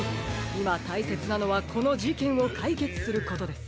いまたいせつなのはこのじけんをかいけつすることです。